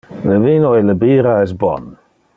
Le vino e le bira es bon.